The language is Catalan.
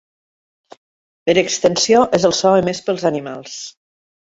Per extensió és el so emès pels animals.